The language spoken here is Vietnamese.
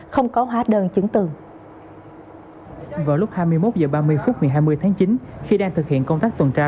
không có hóa đơn chứng từ vào lúc hai mươi một h ba mươi phút ngày hai mươi tháng chín khi đang thực hiện công tác tuần tra